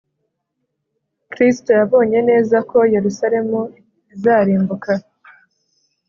kristo yabonye neza ko yerusalemu izarimbuka